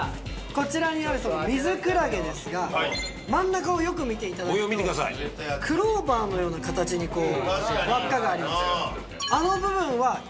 こちらにあるミズクラゲですが真ん中をよく見ていただくとクローバーのような形に輪っかがあります。